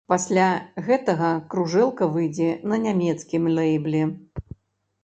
Пасля гэтага кружэлка выйдзе на нямецкім лэйбле.